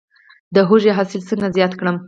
د هوږې حاصل څنګه زیات کړم؟